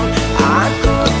aku tahu maksud dirimu